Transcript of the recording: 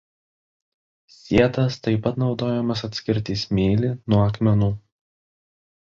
Sietas taip pat naudojamas atskirti smėlį nuo akmenų.